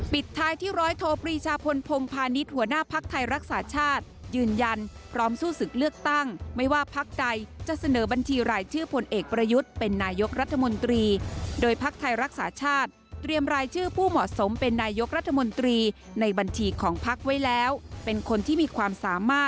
ปิดท้ายที่ร้อยโทปรีชาพลพงพาณิชย์หัวหน้าภักดิ์ไทยรักษาชาติยืนยันพร้อมสู้ศึกเลือกตั้งไม่ว่าพักใดจะเสนอบัญชีรายชื่อผลเอกประยุทธ์เป็นนายกรัฐมนตรีโดยภักดิ์ไทยรักษาชาติเตรียมรายชื่อผู้เหมาะสมเป็นนายกรัฐมนตรีในบัญชีของพักไว้แล้วเป็นคนที่มีความสามารถ